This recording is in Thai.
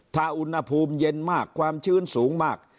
ถ้าอุณหภูมิเย็นมากความชื้นสูงมาก